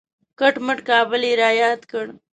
کټ مټ کابل یې را یاد کړ.